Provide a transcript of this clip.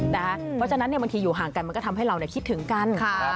เพราะฉะนั้นบางทีอยู่ห่างกันมันก็ทำให้เราคิดถึงกัน